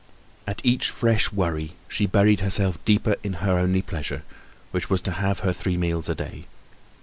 At each fresh worry she buried herself deeper in her only pleasure, which was to have her three meals a day.